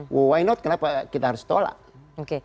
kenapa tidak kenapa kita harus tolak